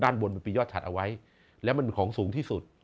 ด้านบนเป็นปียอดฉัดเอาไว้แล้วมันเป็นของสูงที่สุด